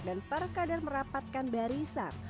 dan perkadar merapatkan barisan